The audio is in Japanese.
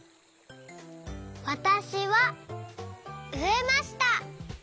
わたしはうえました。